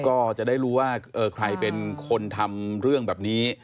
ก็จะได้รู้ว่าใครเป็นคนทำเรื่องแบบนี้